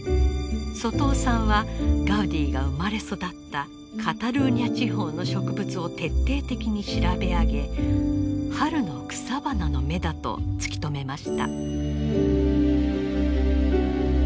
外尾さんはガウディが生まれ育ったカタルーニャ地方の植物を徹底的に調べ上げ春の草花の芽だと突き止めました。